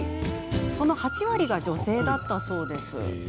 その８割は女性だったそうです。